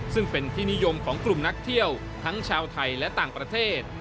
ซึ่งเป็นที่นิยมของกลุ่มนักเที่ยวทั้งชาวไทยและต่างประเทศ